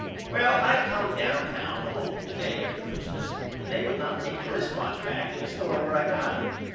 Well I come downtown alone the day after Xmas and they would not take the rist watch back in the store where I got it.